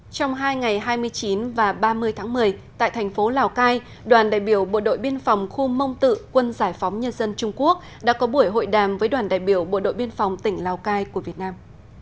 trong hai ngày hai mươi chín và ba mươi tháng một mươi tại thành phố lào cai đoàn đại biểu bộ đội biên phòng khu mông tự quân giải phóng nhân dân trung quốc đã có buổi hội đàm với đoàn đại biểu bộ đội biên phòng tỉnh lào cai của việt nam